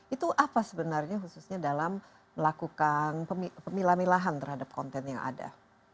itu apa sebenarnya khususnya dalam melakukan pemilah milahan terhadap konten yang ada